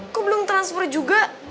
kok belum transfer juga